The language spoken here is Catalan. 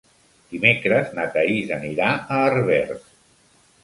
Dimecres na Thaís anirà a Herbers.